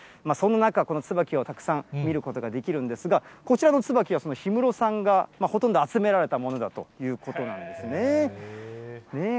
そんな中、ツバキをたくさん見ることができるんですが、こちらのツバキはその氷室さんがほとんど集められたということなんですね。